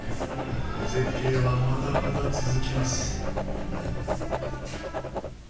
絶景はまだまだ続きます。